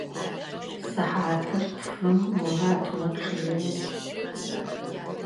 Сыхьатыр тфым Мурат мэчъыежьы.